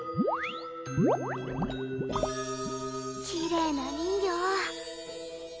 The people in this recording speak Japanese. きれいな人魚。